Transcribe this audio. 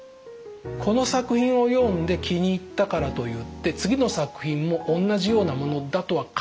この作品を読んで気に入ったからといって次の作品もおんなじようなものだとは限らないんです。